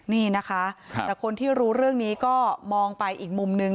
นี่นะคะแต่คนที่รู้เรื่องนี้ก็มองไปอีกมุมนึง